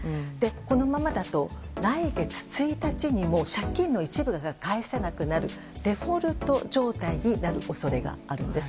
このままだと、来月１日にも借金の一部が返せなくなるデフォルト状態になる恐れがあるんです。